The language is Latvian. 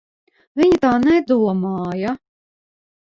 Viņa tā nedomāja.